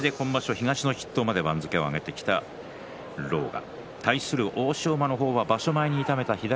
東の筆頭まで番付を上げてきた狼雅。